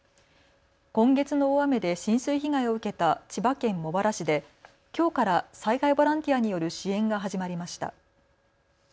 今月の大雨で浸水被害を受けた千葉県茂原市できょうから災害ボランティアによる支援が始まりました。